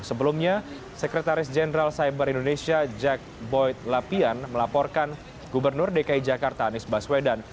sebelumnya sekretaris jenderal cyber indonesia jack boyd lapian melaporkan gubernur dki jakarta anies baswedan